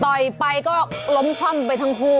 ต่อยไปก็ล้มคว่ำไปทั้งคู่